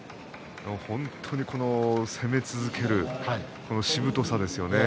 本当に攻め続けるしぶとさですね。